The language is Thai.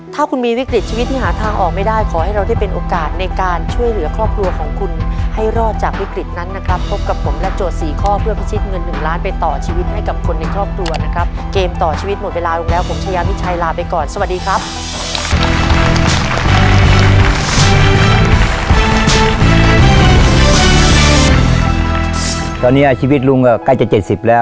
ถ้าคุณมีวิกฤตชีวิตที่หาทางออกไม่ได้ขอให้เราได้เป็นโอกาสในการช่วยเหลือครอบครัวของคุณให้รอดจากวิกฤตนั้นนะครับพบกับผมและโจทย์สี่ข้อเพื่อพิชิตเงินหนึ่งล้านไปต่อชีวิตให้กับคนในครอบครัวนะครับเกมต่อชีวิตหมดเวลาลงแล้วผมชายาพิชัยลาไปก่อนสวัสดีครับ